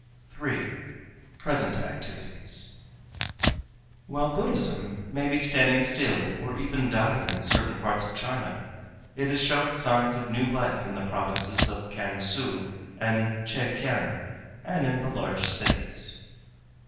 3. Present Activities While Buddhism may be standing still or even dying in certain parts of China, it is showing signs of new life in the provinces of Kiangsu and Chekiang and in the large cities.